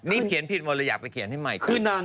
นี่เขียนผิดมาแล้วอยากไปเขียนให้ใหม่กัน